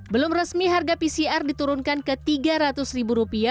belum resmi harga pcr diturunkan ke rp tiga ratus